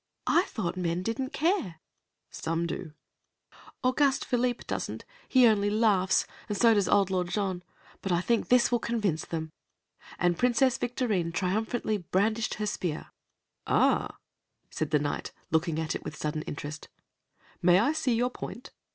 "I thought men didn't care." "Some do." "Auguste Philippe doesn't he only laughs, and so does old Lord Jean; but I think that this will convince them," and Princess Victorine triumphantly brandished her spear. "Ah!" said the Knight, looking at it with sudden interest, "may I see your point?"